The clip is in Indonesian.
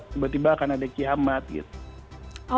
tiba tiba akan ada kiamat gitu